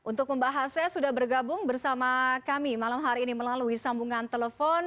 untuk membahasnya sudah bergabung bersama kami malam hari ini melalui sambungan telepon